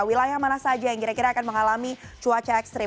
wilayah mana saja yang kira kira akan mengalami cuaca ekstrim